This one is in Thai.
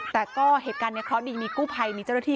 แต่ก็เหตุการณ์ในคล้อนดีมีกู้ไพมีเจ้าหน้าที่